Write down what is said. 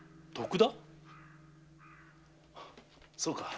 そうか。